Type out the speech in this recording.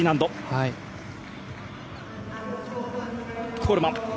コールマン。